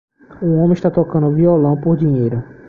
Um homem está tocando violão por dinheiro.